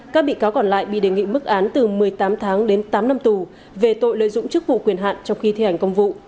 các bị cáo còn lại bị đề nghị mức án từ một mươi tám tháng đến tám năm tù về tội lợi dụng chức vụ quyền hạn trong khi thi hành công vụ